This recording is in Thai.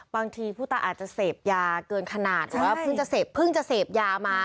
บางทีผู้ตายอาจจะเสพยาเกินขนาดหรือว่าเพิ่งจะเสพเพิ่งจะเสพยามา